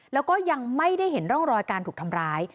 แล้วก็ยังไม่ได้เห็นร่องรอยการถูกทำร้าย